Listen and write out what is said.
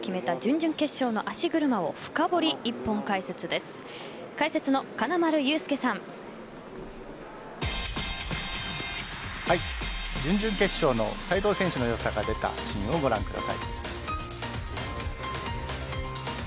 準々決勝の斉藤選手のよさが出たシーンをご覧ください。